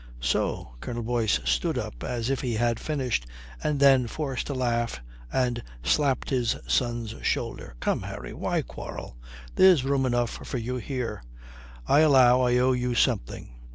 "So." Colonel Boyce stood up as if he had finished and then forced a laugh and slapped his son's shoulder, "Come, Harry, why quarrel? There's room enough for you here. I allow I owe you something.